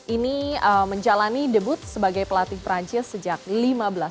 ini menjalani debut sebagai pelatih perancis sejak lima oktober dua ribu tujuh belas